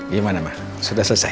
gimana ma sudah selesai